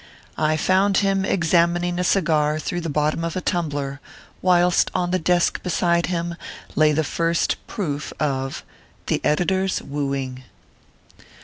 I found him examining a cigar through the bottom 106 ORPHEUS C. KERR PAPERS. of a tumbler, whilst on the desk beside him lay the first "proof "of THE EDITOR S WOOING.